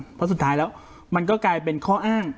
เพราะสุดท้ายแล้วมันก็กลายเป็นข้ออ้าง